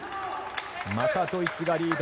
またドイツがリード。